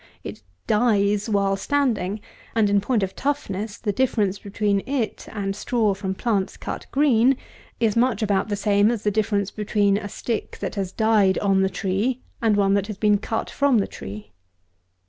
It dies while standing, and, in point of toughness, the difference between it and straw from plants cut green is much about the same as the difference between a stick that has died on the tree, and one that has been cut from the tree.